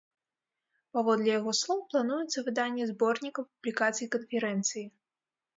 Паводле яго слоў, плануецца выданне зборніка публікацый канферэнцыі.